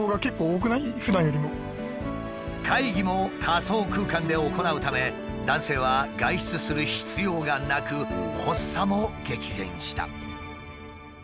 すごい！本当会議も仮想空間で行うため男性は外出する必要がなく発作も激減した。